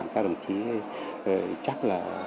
các đồng chí chắc là